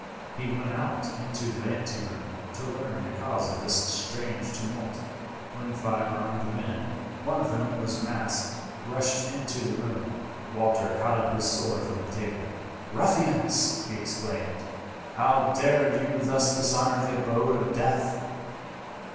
He went out into the ante room to learn the cause of this strange tumult, when five armed men, one of whom was masked, rushed into the room. Walter caught up his sword from the table. "Ruffians!" he exclaimed, "how dare you thus dishonour the abode of death?"